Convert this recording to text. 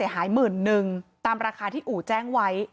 หายหมื่นนึงตามราคาที่อู่แจ้งไว้